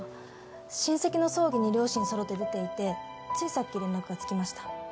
親戚の葬儀に両親揃って出ていてついさっき連絡がつきました